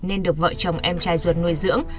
nên được vợ chồng em trai ruột nuôi dưỡng